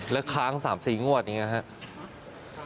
แล้วค้าง๓๔งวดอย่างนี้ครับ